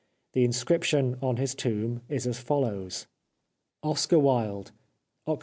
The in scription on his tomb is as follows :— OSCAR WILDE Oct.